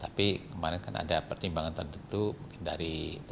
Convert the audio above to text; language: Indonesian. tapi kemarin kan ada pertimbangan tertentu mungkin dari